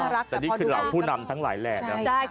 และเราผู้นำทั้งหลายแหละ